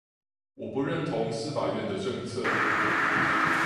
我不認同司法院的政策